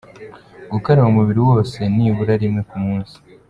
Gukaraba umubiri wose nibura rimwe ku munsi,.